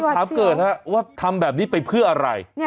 ถามเกิดฮะว่าทำแบบนี้ไปเพื่ออะไร